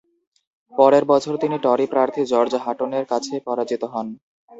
পরের বছর তিনি টরি প্রার্থী জর্জ হাটনের কাছে পরাজিত হন।